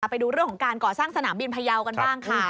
ไปดูเรื่องของการก่อสร้างสนามบินพยาวกันบ้างค่ะ